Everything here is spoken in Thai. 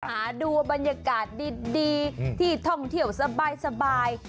หาดูบรรยากาศดีที่ท่องเที่ยวสบาย